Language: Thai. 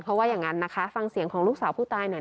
เพราะว่าอย่างนั้นนะคะฟังเสียงของลูกสาวผู้ตายหน่อย